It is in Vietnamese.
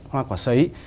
hoa quả sấy